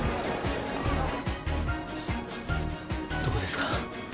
どこですか？